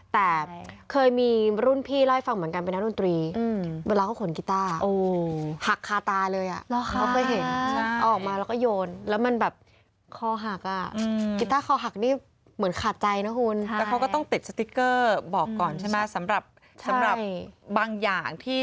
แต่เคยมีรุ่นพี่เล่าให้ฟังเหมือนกันเป็นนักดนตรี